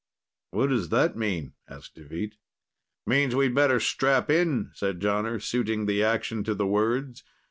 "What does that mean?" asked Deveet. "Means we'd better strap in," said Jonner, suiting the action to the words.